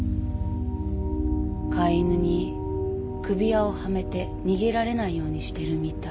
飼い犬に首輪をはめて逃げられないようにしてるみたい。